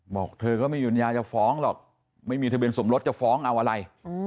บอกเธอก็ไม่ยุญญาจะฟ้องหรอกไม่มีทะเบียนสมรสจะฟ้องเอาอะไร